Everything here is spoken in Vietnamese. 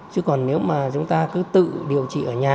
chứ còn nếu mà chúng ta cứ tự điều trị ở nhà